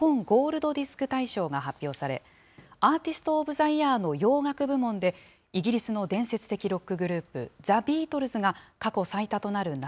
ゴールドディスク大賞が発表され、アーティスト・オブ・ザ・イヤーの洋楽部門でイギリスの伝説的ロックグループ、ザ・ビートルズが過去最多となる